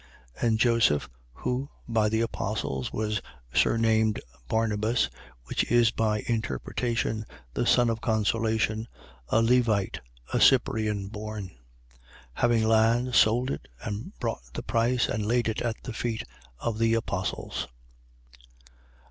4:36. And Joseph, who, by the apostles, was surnamed Barnabas (which is, by interpretation, The son of consolation), a Levite, a Cyprian born, 4:37. Having land, sold it and brought the price and laid it at the feet of the Apostles.